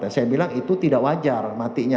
saya bilang itu tidak wajar matinya